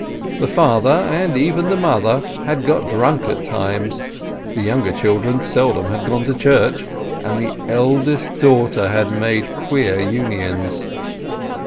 The father, and even the mother, had got drunk at times, the younger children seldom had gone to church, and the eldest daughter had made queer unions.